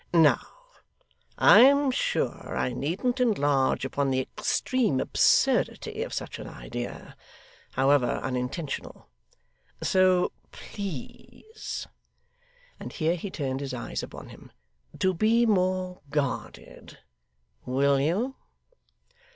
Now I am sure I needn't enlarge upon the extreme absurdity of such an idea, however unintentional; so please ' and here he turned his eyes upon him 'to be more guarded. Will you?